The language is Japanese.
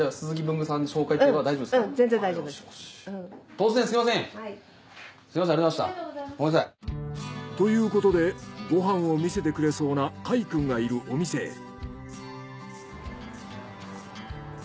ごめんなさい。ということでご飯を見せてくれそうなカイくんがいるお店へ。